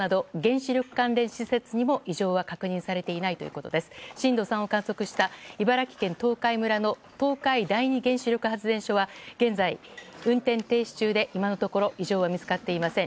震度３を観測した茨城県東海村の東海第二原子力発電所は現在、運転停止中で今のところ異常は見つかっていません。